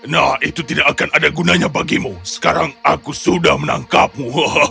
nah itu tidak akan ada gunanya bagimu sekarang aku sudah menangkapmu